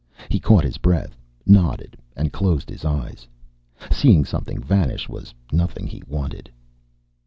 He caught his breath, nodded, and closed his eyes. Seeing something vanish was nothing he wanted.